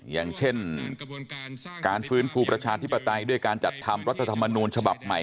อย่างเช่นการฟื้นฟูประชาธิปไตยด้วยการจัดทำรัฐธรรมนูญฉบับใหม่